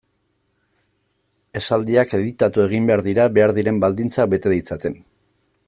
Esaldiak editatu egin behar dira behar diren baldintzak bete ditzaten.